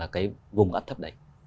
cái vùng áp thấp đấy